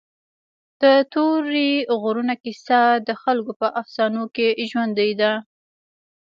د تورې غرونو کیسه د خلکو په افسانو کې ژوندۍ ده.